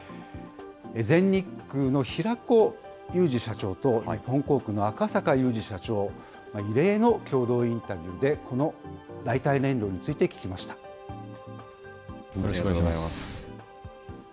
全日空の平子裕志社長と、日本航空の赤坂祐二社長、異例の共同インタビューで、よろしくお願いします。